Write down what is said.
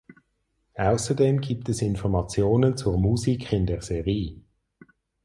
Außerdem gibt es Informationen zur Musik in der Serie.